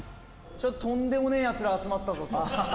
とんでもねえやつらが集まったぞと。